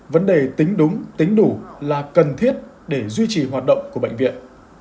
vấn đề tính đúng tính đủ là cần thiết để duy trì hoạt động của bệnh viện